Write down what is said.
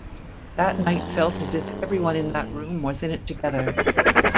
That night felt as if everyone in that room was in it together.